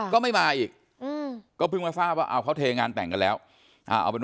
ก็ไม่มาอีกก็เพิ่งมาทราบว่าเอาเขาเทงานแต่งกันแล้วเอาเป็น